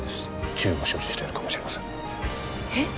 銃を所持しているかもしれませんえっ？